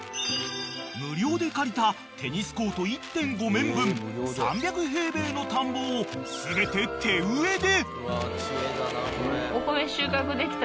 ［無料で借りたテニスコート１．５面分３００平米の田んぼを全て手植えで］